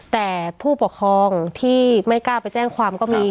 แต่ผู้ปกครองที่ไม่กล้าไปแจ้งความก็มี